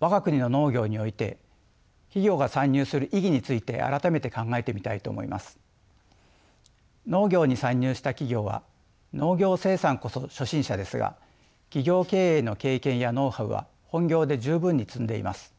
農業に参入した企業は農業生産こそ初心者ですが企業経営の経験やノウハウは本業で十分に積んでいます。